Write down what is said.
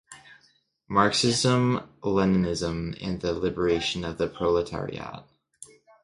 Marxism-leninism and the liberation of the proletariat